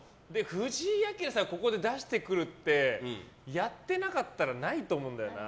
ふじいあきらさんをここで出してくるってやってなかったらないと思うんだよな。